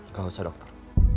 gak usah dokter